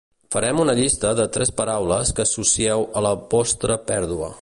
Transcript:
Farem una llista de tres paraules que associeu a la vostra pèrdua.